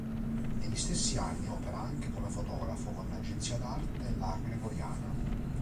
Negli stessi anni opera anche come fotografo con l'agenzia d'arte La Gregoriana.